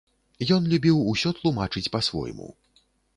Ён любіў усё тлумачыць па-свойму.